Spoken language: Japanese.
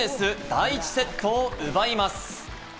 第１セットを奪います。